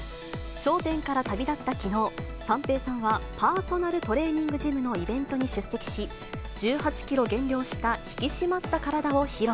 笑点から旅立ったきのう、三平さんは、パーソナルトレーニングジムのイベントの出席し、１８キロ減量した引き締まった体を披露。